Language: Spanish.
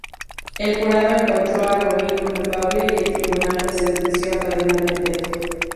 El jurado encontró a Rubino culpable y el tribunal lo sentenció a cadena perpetua.